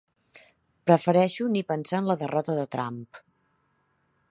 Prefereixo ni pensar en la derrota de Trump